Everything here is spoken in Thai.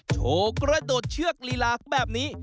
โชว์กระโดดเชือกลีลาแบบนี้